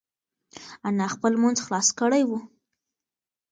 انا خپل لمونځ خلاص کړی و.